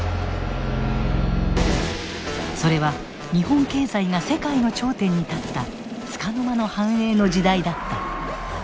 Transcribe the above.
それは日本経済が世界の頂点に立ったつかの間の繁栄の時代だった。